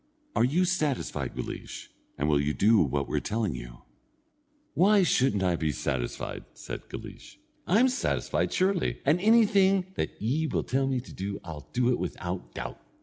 Are you satisfied, Guleesh, and will you do what we're telling you?" "Why shouldn't I be satisfied?" said Guleesh. "I'm satisfied, surely, and anything that ye will tell me to do I'll do it without doubt."